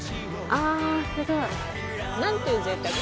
あ、すごい。なんていうぜいたく。